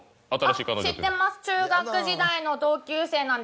知ってます中学時代の同級生なんですけど。